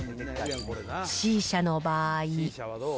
Ｃ社の場合。